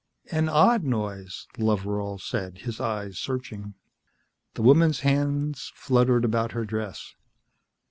"An odd noise," Loveral said, his eyes searching. The woman's hands fluttered about her dress.